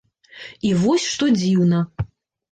І вось што дзіўна!